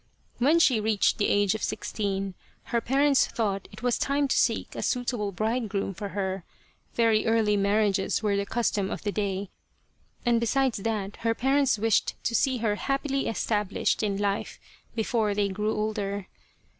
When she reached the age of sixteen her parents thought it was time to seek a suitable bridegroom for her. Very early marriages were the custom of the day, and besides that her parents wished to see her happily established in life before they grew older.